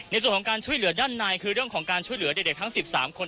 ในส่วนของการช่วยเหลือด้านในคือเรื่องของการช่วยเหลือเด็กทั้ง๑๓คน